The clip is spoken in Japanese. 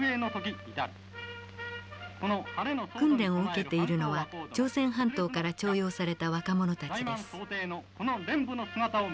訓練を受けているのは朝鮮半島から徴用された若者たちです。